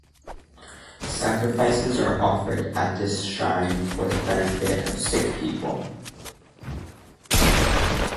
Sacrifices are offered at this shrine for the benefit of sick people.